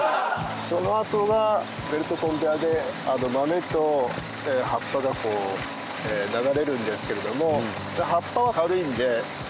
そのあとがベルトコンベアで豆と葉っぱがこう流れるんですけれども。